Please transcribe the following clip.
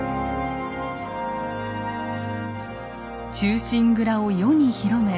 「忠臣蔵」を世に広め